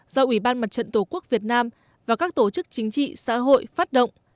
do ủy ban mặt trận tổ quốc việt nam và các tổ chức chính trị xã hội phát động